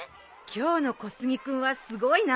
今日の小杉君はすごいな。